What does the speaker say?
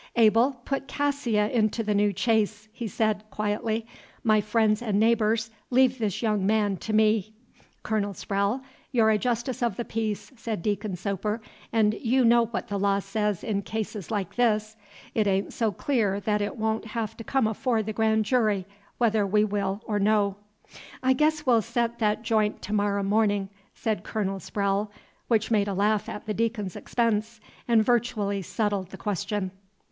"Abel, put Cassia into the new chaise," he said, quietly. "My friends and neighbors, leave this young man to me." "Colonel Sprowle, you're a justice of the peace," said Deacon Soper, "and you know what the law says in cases like this. It a'n't so clear that it won't have to come afore the Grand Jury, whether we will or no." "I guess we'll set that j'int to morrow mornin'," said Colonel Sprowle, which made a laugh at the Deacon's expense, and virtually settled the question.